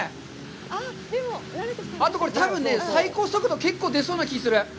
あとこれ多分ね、最高速度、結構出そうな気がする。